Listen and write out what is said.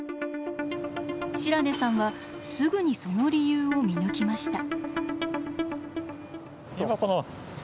白根さんはすぐにその理由を見抜きました。